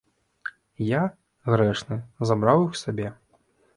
Я, грэшны, забраў іх сабе.